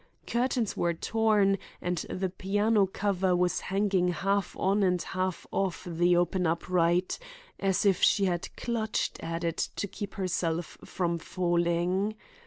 Curtains were torn and the piano cover was hanging half on and half off the open upright, as if she had clutched at it to keep herself from falling.